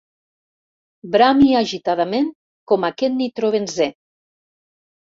Brami agitadament com aquest nitrobenzè.